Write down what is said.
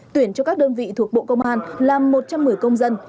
tuyển cho các đơn vị thuộc bộ công an làm một trăm một mươi công dân